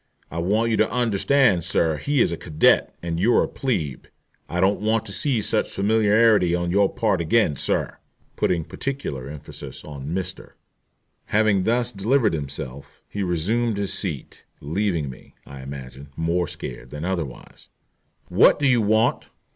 I want you to understand, sir, he is a cadet and you're a 'plebe,' and I don't want to see such familiarity on your part again, sir," putting particular emphasis on "Mr." Having thus delivered himself he resumed his seat, leaving me, I imagine, more scared than otherwise. "What do you want?"